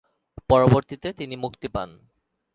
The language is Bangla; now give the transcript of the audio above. পরবর্তীতে, তিনি মুক্তি পান।